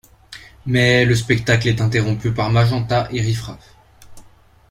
Mais le spectacle est interrompu par Magenta et Riff Raff.